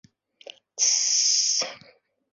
Тс-с-с!